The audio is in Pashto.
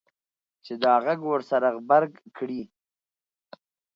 چې دا غږ ورسره غبرګ کړي.